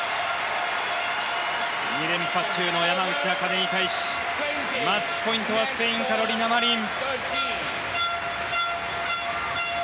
２連覇中の山口茜に対しマッチポイントはスペイン、カロリナ・マリン。